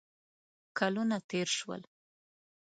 کلونه تېر شول.